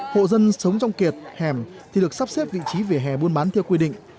hộ dân sống trong kiệt hẻm thì được sắp xếp vị trí về hẻ buôn bán theo quy định